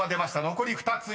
残り２つ。